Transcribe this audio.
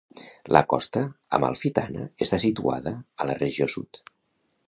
La costa amalfitana està situada a la regió sud.